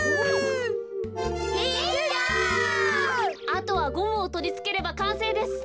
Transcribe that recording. あとはゴムをとりつければかんせいです。